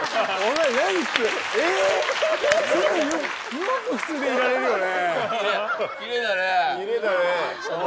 よく普通でいられるよね。